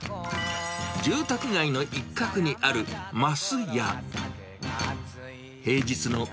住宅街の一角にあるますや。